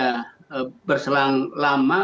nah berselang lama